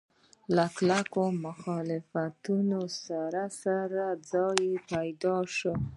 له کلکو مخالفتونو سره سره ځای پیدا شو.